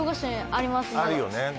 あるよね